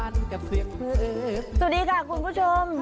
สวัสดีค่ะคุณผู้ชม